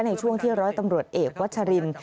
ในช่วงที่ร้อยตำรวจเอกวัชริน